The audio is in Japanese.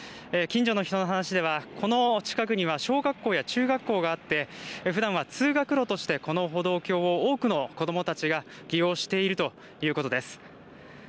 近所の人の話ではこの近くには小学校や中学校があってふだんは通学路としてこの歩道橋を多くの子どもたちが利用しているということです。